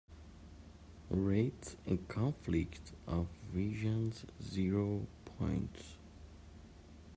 Rate A Conflict of Visions zero points